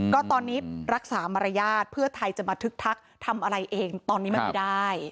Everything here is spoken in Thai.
ก็ตอนนี้รักษามารยาทเพื่อไทยจะมาทึกทักทำอะไรเองตอนนี้มันไม่ได้